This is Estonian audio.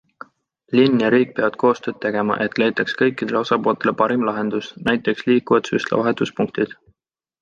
Linn ja riik peavad koostööd tegema, et leitaks kõikidele osapooltele parim lahendus, näiteks liikuvad süstlavahetuspunktid.